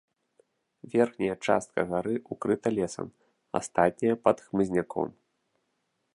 Верхняя частка гары ўкрыта лесам, астатняя пад хмызняком.